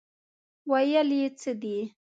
ویل یې څه دي.